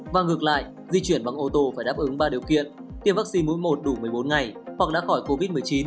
và ngược lại di chuyển bằng ô tô phải đáp ứng ba điều kiện tiêm vaccine mũi một đủ một mươi bốn ngày hoặc đã khỏi covid một mươi chín